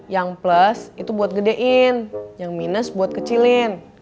yang plus itu buat gedein yang minus buat kecilin